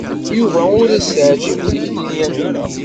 Yuba ur as-teɛjib tikli n Yamina.